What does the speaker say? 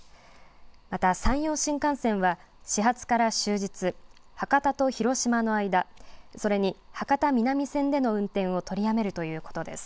また山陽新幹線は始発から終日、博多と広島の間、それに博多南線での運転を取りやめるということです。